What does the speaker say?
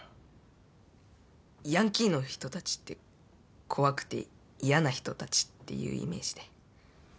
ヤンキーの人たちって怖くて嫌な人たちっていうイメージで。